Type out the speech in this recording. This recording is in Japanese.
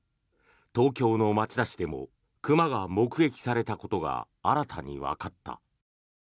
東京の町田市でも熊が目撃されたことが新たにわかった。